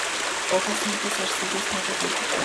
Hojas simples; zarcillos no ramificados.